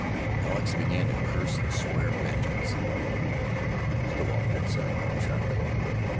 Alex began to curse and swear vengeance. "Stow all that," said the colonel sharply.